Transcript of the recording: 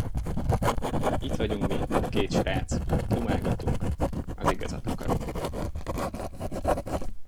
Itt vagyunk mi, két srác, dumálgatunk, az igazat akarom.